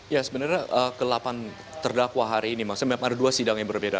ya sebenarnya ke delapan terdakwa hari ini maksudnya memang ada dua sidang yang berbeda